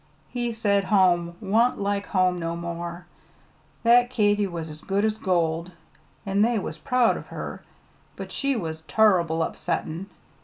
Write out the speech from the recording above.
"He said home wan't like home no more. That Katy was as good as gold, an' they was proud of her; but she was turrible upsettin'.